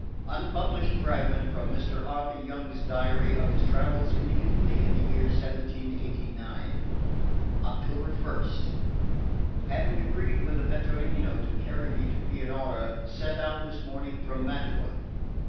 4.5. Unpublished fragment from Mr. Arthur Young's diary of his travels in Italy in the year 1789. October 1st. Having agreed with a vetturino to carry me to Pianura, set out this morning from Mantua.